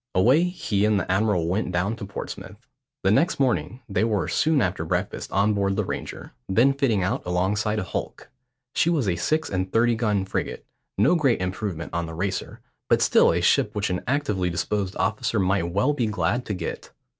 Away he and the admiral went down to Portsmouth. The next morning they were, soon after breakfast, on board the Ranger, then fitting out alongside a hulk. She was a six and thirty gun frigate, no great improvement on the Racer, but still a ship which an actively disposed officer might well be glad to get.